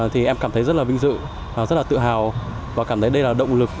thì em cảm thấy rất là vinh dự rất là tự hào và cảm thấy đây là động lực